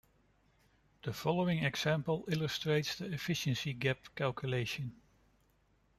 The following example illustrates the efficiency gap calculation.